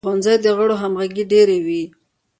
د ښوونځي د غړو همغږي ډیره وي.